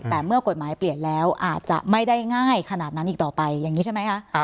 แต่เมื่อกฎหมายเปลี่ยนแล้วอาจจะไม่ได้ง่ายขนาดนั้นอีกต่อไปอย่างนี้ใช่ไหมคะ